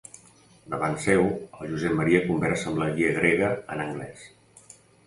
Davant seu el Josep Maria conversa amb la guia grega en anglès.